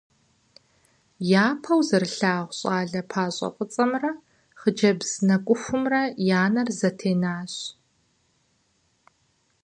Япэу зэрылъагъу щӏалэ пащӏэфӏыцӏэмрэ хъыджэбз нэкӏухумрэ я нэр зэтенащ.